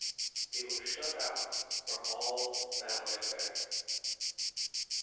He was shut out from all family affairs.